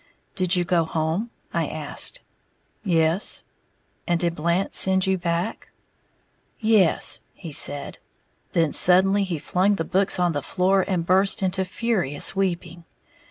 "Did you go home?" I asked. "Yes." "And did Blant send you back?" "Yes," he said. Then suddenly he flung the books on the floor and burst into furious weeping.